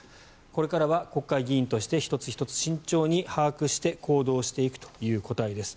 これからは国会議員として１つ１つ慎重に把握して行動していくという答えです。